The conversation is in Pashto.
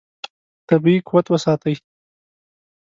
طبیعي قوت وساتئ.